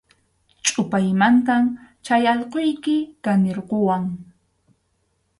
Chʼupaymantam chay allquyki kanirquwan.